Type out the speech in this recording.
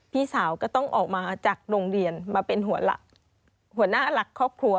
พี่สาวก็ต้องออกมาจากโรงเรียนมาเป็นหัวหน้ารักครอบครัว